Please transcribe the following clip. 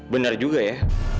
bener juga ya